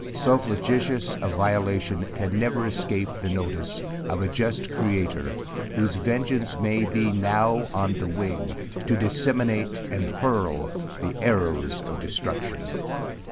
So flagitous a violation can never escape the notice of a just Creator whose vengeance may be now on the wing, to disseminate and hurl the arrows of destruction.